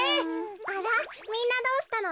あらみんなどうしたの？